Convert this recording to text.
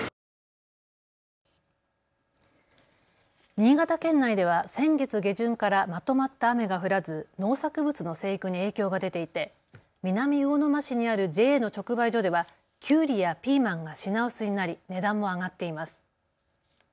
新潟県内では先月下旬からまとまった雨が降らず農作物の生育に影響が出ていて南魚沼市にあるＪＡの直売所ではキュウリやピーマンが品薄になり値段も上がっています。